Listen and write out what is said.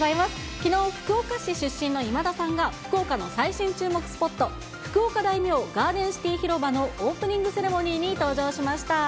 きのう、福岡市出身の今田さんが、福岡の最新注目スポット、福岡大名ガーデンシティ広場のオープニングセレモニーに登場しました。